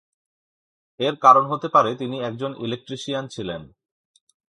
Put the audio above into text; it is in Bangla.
এর কারণ হতে পারে তিনি একজন ইলেকট্রিশিয়ান ছিলেন।